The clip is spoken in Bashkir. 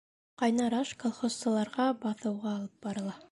Ҡайнар аш колхозсыларға баҫыуға алып барыла.